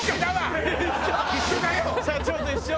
社長と一緒？